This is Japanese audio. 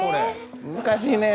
難しいね。